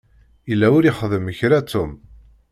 Yella ur ixeddem kra Tom.